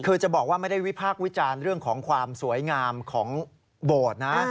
คือจะบอกว่าไม่ได้วิพากษ์วิจารณ์เรื่องของความสวยงามของโบสถ์นะ